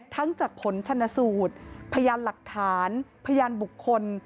จากผลชนสูตรพยานหลักฐานพยานบุคคล